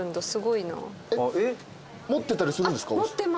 持ってたりするんですか？